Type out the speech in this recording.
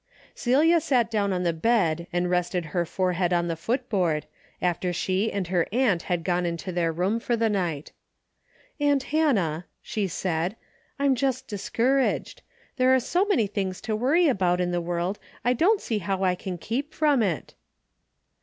Celia sat down on the bed and rested her forehead on the footboard, after she and her aunt had gone to their room for the night. "Aunt Hannah," she said, "I'm just dis couraged. There are so many things to worry about in the world I don't see how I can keep from it."